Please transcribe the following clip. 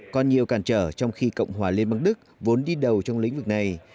còn nhiều cản trở trong khi cộng hòa liên bang đức vốn đi đầu trong lĩnh vực này